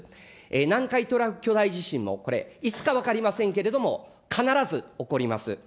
南海トラフ巨大地震も、これ、いつか分かりませんけれども、必ず起こります。